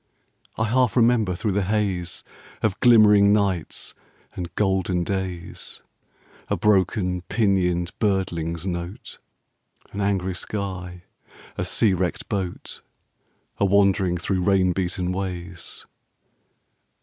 I half remember through the haze Of glimmering nights and golden days, A broken pinioned birdling's note, An angry sky, a sea wrecked boat, A wandering through rain beaten ways!